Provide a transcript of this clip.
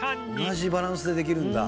同じバランスでできるんだ。